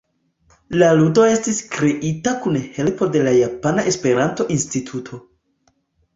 La ludo estis kreita kun helpo de la Japana Esperanto-Instituto.